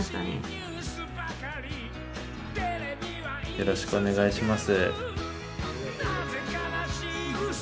よろしくお願いします。